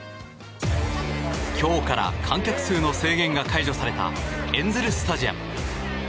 今日から観客数の制限が解除されたエンゼル・スタジアム。